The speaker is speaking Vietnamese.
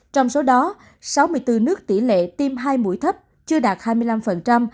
trong số đó sáu mươi bốn nước tỷ lệ tiêm hai mũi thấp chưa đạt hai mươi năm